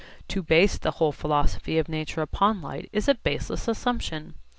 To base the whole philosophy of nature upon light is a baseless assumption.